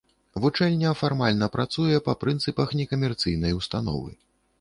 Вучэльня фармальна працуе па прынцыпах некамерцыйнай установы.